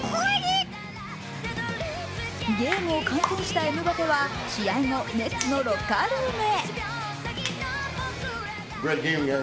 ゲームを観戦したエムバペは試合後、ネッツのロッカールームへ。